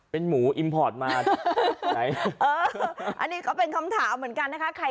เป็นหมูอิมพอร์ตมาอันนี้ก็เป็นคำถามเหมือนกันนะคะ